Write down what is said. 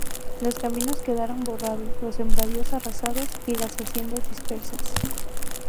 Los caminos quedaron borrados, los sembradíos arrasados y las haciendas dispersas.